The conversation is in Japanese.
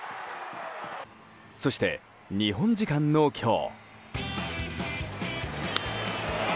そして、日本時間の今日。